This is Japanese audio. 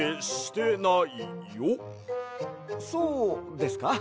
そうですか？